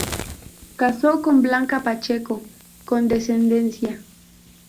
Casó con Blanca Pacheco, con descendencia.